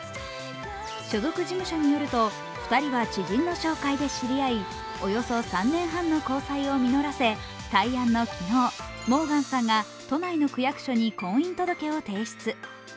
所属事務所によると、２人は知人の紹介で知り合い、およそ３年半の交際を実らせ大安の昨日、モーガンさんが都内の区役所に婚姻届を提出。